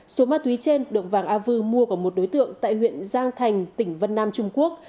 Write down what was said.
số ma túy trên được vàng a vư mua của một đối tượng tại huyện giang thành tỉnh vân nam trung quốc